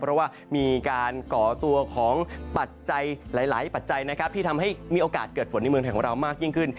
เพราะว่ามีการก่อตัวของปัจจัยหลายปัจจัยนะครับที่ทำให้มีโอกาสเกิดฝนในเมืองไทยของเรามากยิ่งขึ้น